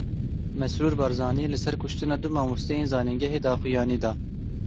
Mesrûr Barzanî li ser kuştina du mamosteyên zanîngehê daxuyanî da.